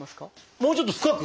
もうちょっと深く？